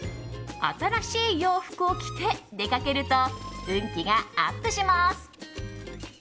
新しい洋服を着て出かけると運気がアップします。